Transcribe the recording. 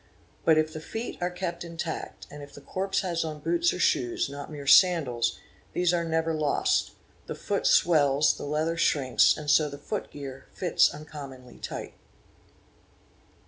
But if the feet are kept intact, and if he corpse has on boots or shoes, not mere sandals, these are never lost; the foot swells, the leather shrinks, and so the foot gear '' fits uncommonly tight.